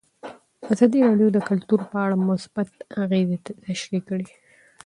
ازادي راډیو د کلتور په اړه مثبت اغېزې تشریح کړي.